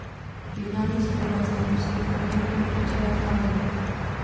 Jednání s Chorvatskem jsou v poměrně pokročilé fázi.